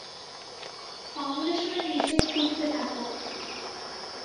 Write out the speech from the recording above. ফাউন্ডেশনের নিচে খুঁড়তে থাকো।